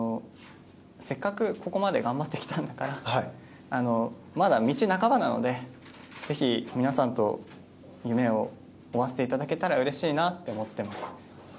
せっかくここまで頑張ってきたんだからまだ道半ばなのでぜひ、皆さんと夢を追わせていただけたら嬉しいなって思っています。